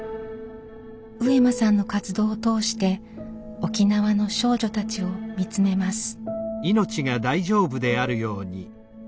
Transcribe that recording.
上間さんの活動を通して沖縄の少女たちを見つめます。